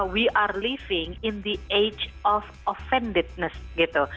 kita hidup di zaman yang tertinggung